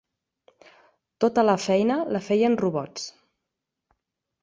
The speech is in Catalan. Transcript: Tota la feina la feien robots.